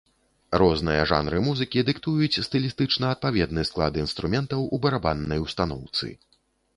Розныя жанры музыкі дыктуюць стылістычна адпаведны склад інструментаў у барабаннай устаноўцы.